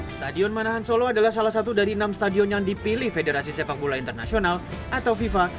stadion manahan solo adalah salah satu dari enam stadion yang dipilih federasi sepak bola internasional atau fifa